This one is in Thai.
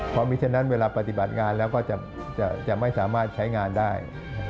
เพราะมีฉะนั้นเวลาปฏิบัติงานแล้วก็จะไม่สามารถใช้งานได้